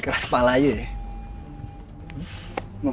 ini dimulai dengan ketajaman